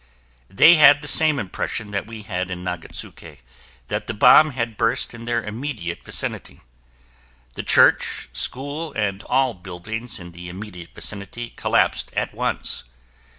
They had the same impression that we had in Nagatsuke: that the bomb had burst in their immediate vicinity. The Church, school, and all buildings in the immediate vicinity collapsed at once.